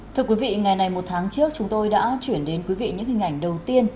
thưa quý vị ngày này một tháng trước chúng tôi đã chuyển đến quý vị những hình ảnh đầu tiên